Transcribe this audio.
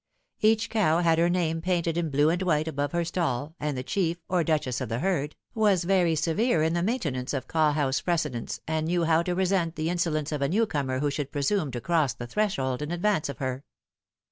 Each cow had her name painted in blue and white above her stall, and the chief, or duchess of the herd, was very severe in the maintenance of cowhouse precedence, and knew how to resent the insolence of a new comer who should presume to cross the threshold in advance of her.